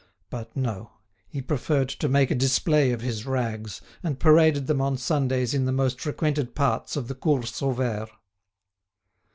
But no; he preferred to make a display of his rags, and paraded them on Sundays in the most frequented parts of the Cours Sauvaire.